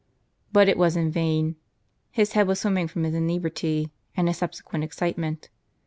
But it was in vain ; his head was swimming from his inebriety, and his subsequent excitement.